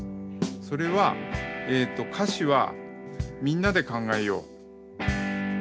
それは歌詞はみんなで考えよう。